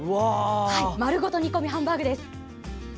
丸ごと煮込みハンバーグです。